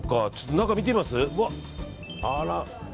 中見てみます？